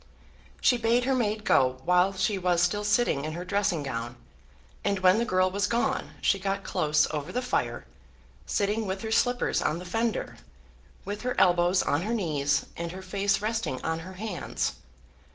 She bade her maid go while she was still sitting in her dressing gown; and when the girl was gone she got close over the fire, sitting with her slippers on the fender, with her elbows on her knees, and her face resting on her hands.